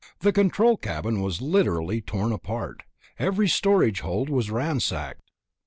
The control cabin was literally torn apart. Every storage hold was ransacked.